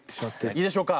いいでしょうか？